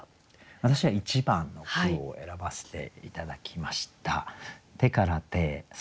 私は１番の句を選ばせて頂きました。